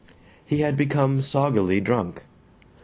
He had become soggily drunk.